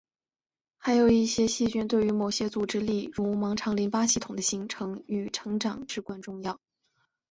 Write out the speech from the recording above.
还有一些细菌对于某些组织例如盲肠和淋巴系统的形成与成长至关重要。